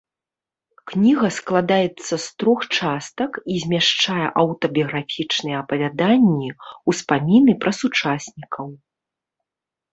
Кніга складаецца з трох частак і змяшчае аўтабіяграфічныя апавяданні, успаміны пра сучаснікаў.